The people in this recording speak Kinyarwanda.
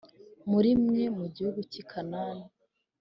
muri mwe mu gihugu cy i Kanani